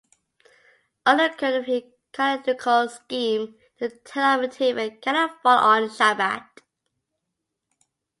Under the current calendrical scheme, the Tenth of Tevet cannot fall on Shabbat.